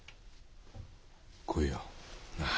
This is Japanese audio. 来いよなあ。